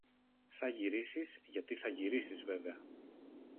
Σα γυρίσεις, γιατί θα γυρίσεις βέβαια.